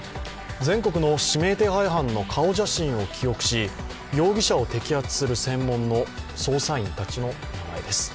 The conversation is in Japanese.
全国の指名手配犯の顔写真を記憶し容疑者を摘発する専門の捜査員たちの名前です。